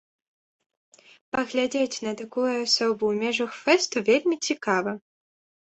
Паглядзець на такую асобу ў межах фэсту вельмі цікава.